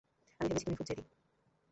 আমি ভেবেছি তুমি খুব জেদি।